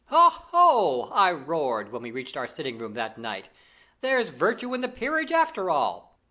"Ho! ho!" I roared, when we reached our sitting room that night. "There's virtue in the peerage after all."